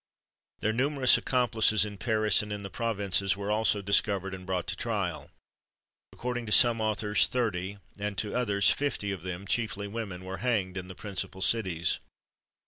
Their numerous accomplices in Paris and in the provinces were also discovered and brought to trial. According to some authors, thirty, and to others, fifty of them, chiefly women, were hanged in the principal cities.